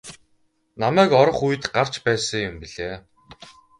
Намайг орох үед гарч байсан юм билээ.